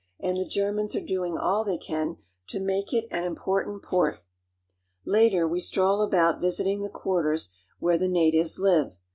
^^SbS Germans are doing what they can to make it an important port. Later, we stroll about visiting the quarters where the natives live.